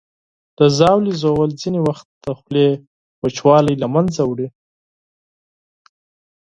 د ژاولې ژوول ځینې وخت د خولې خشکي له منځه وړي.